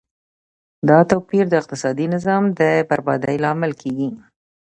دا توپیر د اقتصادي نظام د بربادۍ لامل کیږي.